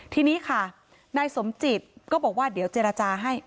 ทีนี้ค่ะนายสมจิตก็บอกว่าเดี๋ยวเจรจาให้